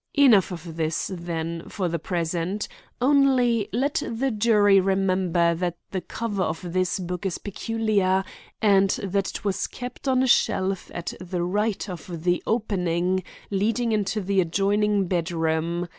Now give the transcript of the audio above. "Enough of this, then, for the present; only let the jury remember that the cover of this book is peculiar and that it was kept on a shelf at the right of the opening leading into the adjoining bed room.